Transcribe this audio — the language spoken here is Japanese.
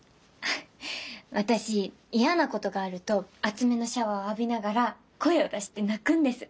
私嫌なことがあると熱めのシャワーを浴びながら声を出して泣くんです。